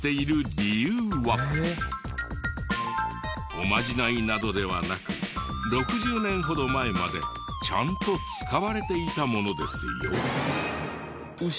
おまじないなどではなく６０年ほど前までちゃんと使われていたものですよ。